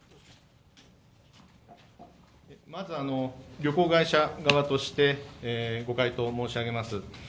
まず旅行会社側としてご回答申し上げます。